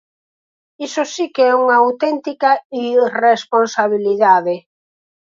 Iso si que é unha auténtica irresponsabilidade.